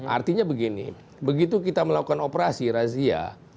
artinya begini begitu kita melakukan operasi razia